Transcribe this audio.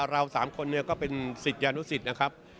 เรา๓คนเนี่ยก็เป็นสิทธิ์ยานุสิทธิ์นะครับ